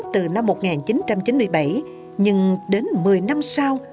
từ năm một nghìn chín trăm chín mươi bảy nhưng đến một mươi năm sau